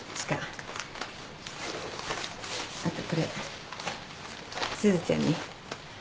あとこれすずちゃんに。